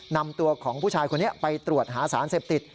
นำตัวของผู้ชายคนนี้ไปตรวจหาสารเสพติด